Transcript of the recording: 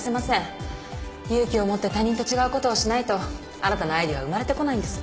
勇気を持って他人と違う事をしないと新たなアイデアは生まれてこないんです。